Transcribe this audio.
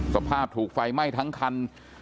สภาพถูกไฟไหม้ทั้งคัน